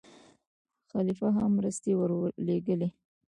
خلیفه هم مرستې ورولېږلې.